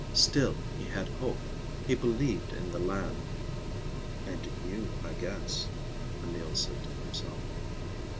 Still, he had hope. He believed in the land." "And in you, I guess," Emil said to himself.